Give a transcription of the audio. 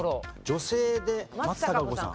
女性で松たか子さん。